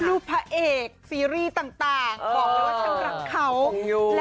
รูปพระเอกซีรีส์ต่างบอกว่าเธอรักเขา